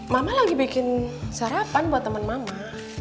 mama lagi bikin sarapan buat teman mama